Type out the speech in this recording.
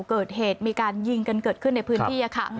เกิดเหตุมีการยิงกันเกิดขึ้นในพื้นที่ค่ะ